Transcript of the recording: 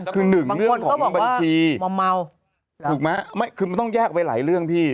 คือหนึ่งเรื่องของบัญชีมอมเมาถูกไหมไม่คือมันต้องแยกไปหลายเรื่องพี่